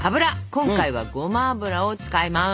今回はごま油を使います。